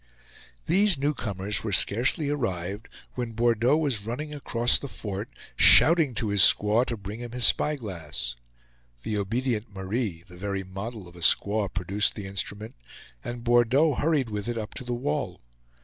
These newcomers were scarcely arrived, when Bordeaux was running across the fort, shouting to his squaw to bring him his spyglass. The obedient Marie, the very model of a squaw, produced the instrument, and Bordeaux hurried with it up to the wall.